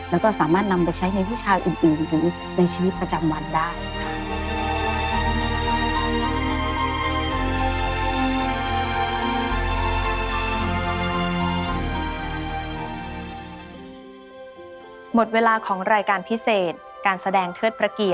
แล้วก็สามารถนำไปใช้ในวิชาอื่นถึงในชีวิตประจำวันได้ค่ะ